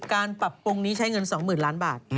การปรับปรุงนี้ใช้เงิน๒๐๐๐ล้านบาท